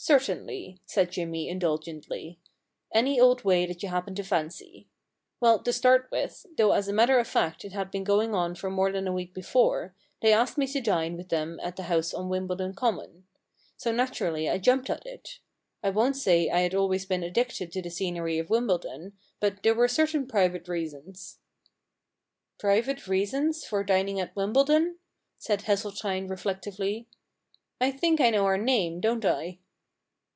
* Certainly,* said Jimmy indulgently, * any old way that you happen to fancy. Well, to start with, though as a matter of fact it had been going on for more than a week before, they asked me to dine with them at the house on Wimbledon Common. So naturally I jumped at it. I won't say I had always been addicted to the scenery of Wimbledon, but there were certain private reasons.' 225 The Problem Club * Private reasons for dining at Wimbledon ?' said Hesseltine reflectively. * I think I know her name, don't I